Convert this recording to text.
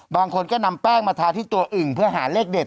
บางคนก็นำแป้งมาทาที่ตัวอึ่งเพื่อหาเลขเด็ด